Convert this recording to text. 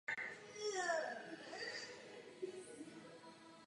Chtěla bych panu Gauzèsovi co nejsrdečněji poděkovat.